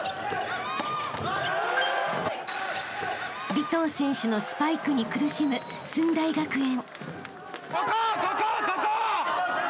［尾藤選手のスパイクに苦しむ駿台学園］